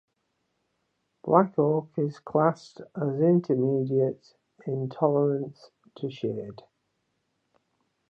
Black oak is classed as intermediate in tolerance to shade.